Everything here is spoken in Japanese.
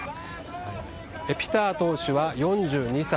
ピター党首は４２歳。